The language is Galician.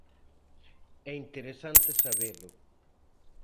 É interesante sabelo.